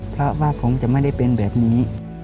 เพราะว่าผมจะไม่ได้เป็นแบบนี้